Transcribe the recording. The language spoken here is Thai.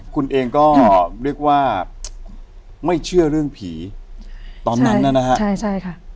คุณเองก็เรียกว่าไม่เชื่อเรื่องผีตอนนั้นน่ะนะฮะใช่ใช่ค่ะ